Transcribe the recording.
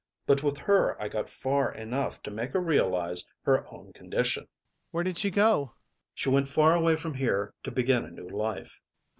But with her I got far enough to make her realise her own condition. MAURICE. Where did she go? ADOLPHE. She went far away from here to begin a new life.